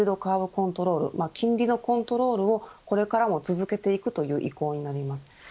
コントロール金利のコントロールをこれからも続けていくということになります。